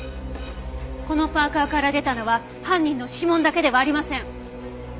このパーカから出たのは犯人の指紋だけではありません。